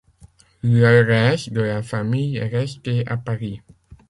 Le reste de la famille est resté à Paris.